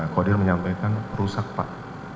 kodir menyampaikan rusak pak